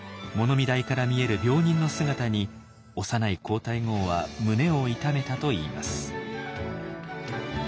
見台から見える病人の姿に幼い皇太后は胸を痛めたといいます。